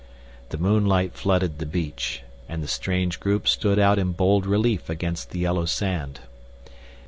The moonlight flooded the beach, and the strange group stood out in bold relief against the yellow sand.